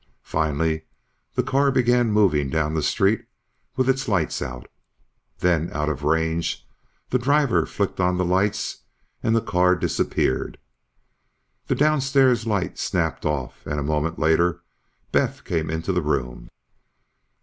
Finally the car began moving down the street with its lights out. Then, out of range, the driver flicked on the lights and the car disappeared. The downstairs light snapped off and a moment later Beth came into the room.